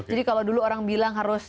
jadi kalau dulu orang bilang harus